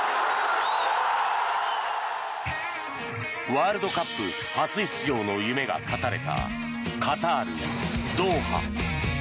ワールドカップ初出場の夢が絶たれたカタール・ドーハ。